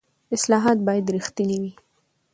اصلاحات باید رښتیني وي